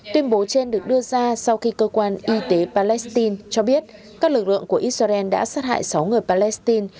tuyên bố trên được đưa ra sau khi cơ quan y tế palestine cho biết các lực lượng của israel đã sát hại sáu người palestine